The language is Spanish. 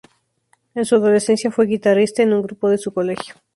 En su adolescencia fue guitarrista en un grupo de su colegio.